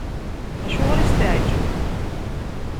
Acuɣer i s-teɛǧeb?